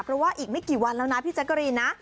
เพราะว่าอีกไม่กี่วันแล้วนะพี่แจ๊กกะรีนนะ